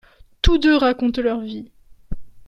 Tous deux racontent leurs vies.